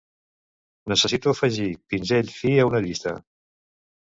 Necessito afegir pinzell fi a una llista.